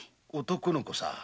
男の子さ。